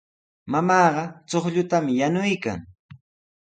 Mamaaqa chuqllutami yanuykan.